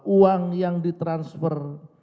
uang yang di transfer